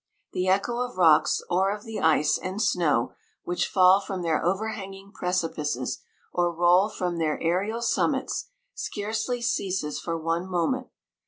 The echo of rocks, or of the ice and snow which fall from their overhanging precipices, or roll from their aerial summits, scarcely ceases for one moment.